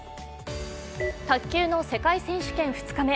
卓球の世界選手権２日目。